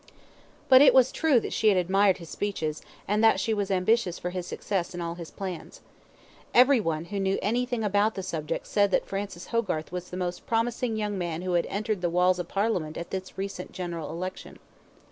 But it was true that she had admired his speeches, and that she was ambitious for his success in all his plans. Every one who knew anything about the subject said that Francis Hogarth was the most promising young man who had entered the walls of parliament at this recent general election.